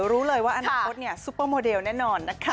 รู้เลยว่าอันนั้นอดเนี่ยซุปเปอร์โมเดลแน่นอนนะคะ